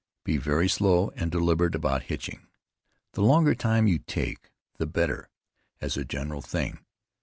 Be very slow and deliberate about hitching; the longer time you take, the better, as a general thing.